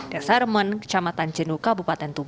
desa remen kecamatan jenduka bupatan tuban